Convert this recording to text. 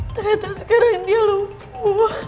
ternyata sekarang dia lupu